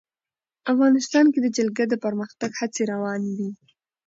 افغانستان کې د جلګه د پرمختګ هڅې روانې دي.